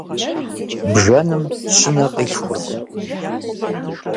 Бжэным щынэ къилъхуркъым.